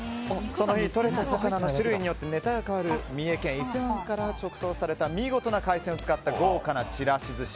その日とれた魚の種類によってネタが変わる三重県伊勢湾から直送された見事な海鮮を使った豪華なちらし寿司。